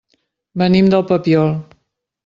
Venim del Papiol.